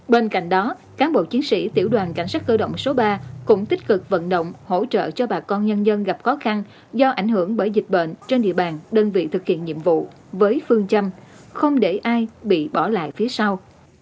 bên cạnh đó cán bộ chiến sĩ tiểu đoàn cảnh sát cơ động số ba cũng tích cực vận động hỗ trợ cho bà con nhân dân gặp khó khăn do ảnh hưởng bởi dịch bệnh trên địa bàn đơn vị thực hiện nhiệm vụ với phương châm không để ai bị bỏ lại phía sau